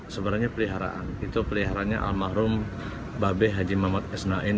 sebenarnya peliharaan itu peliharannya al mahrum babeh haji mamad esna'in